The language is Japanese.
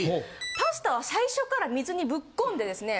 パスタは最初から水にぶっこんでですね